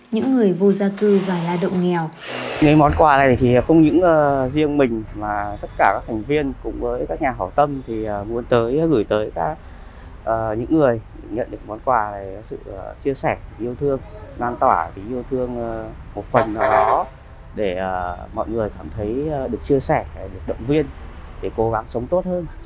những người vô gia cư và la động nghèo